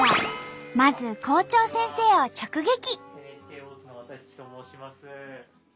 まず校長先生を直撃。